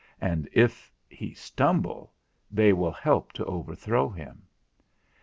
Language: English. And if he stumble, they will help to overthrow him.